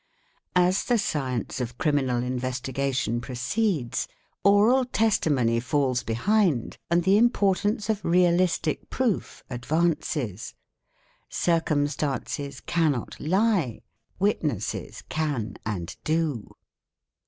As the science of Criminal Investigation proceeds, oral testimony falls behind and the importance of realistic proof advances; "'circumstances cannot lie', witnesses can and do.